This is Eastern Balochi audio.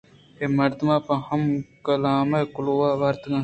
اے مرد ءَ پہ من کلام ءِ کلوہ آورتگ اَت